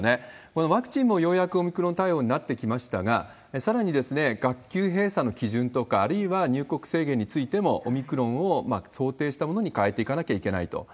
このワクチンもようやくオミクロン対応になってきましたが、さらに学級閉鎖の基準とか、あるいは入国制限についても、オミクロンを想定したものに変えていかなきゃいけないと。